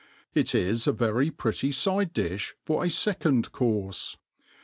It is a very pretty fide*diih for a fecond courfe.